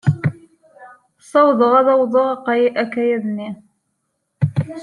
Ssawḍeɣ ad d-awyeɣ akayad-nni.